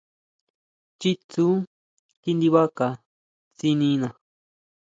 Chitsu kindibaca tsinina.